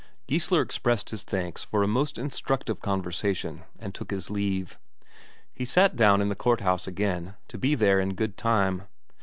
Geissler expressed his thanks for a most instructive conversation, and took his leave. He sat down in the court house again, to be there in good time.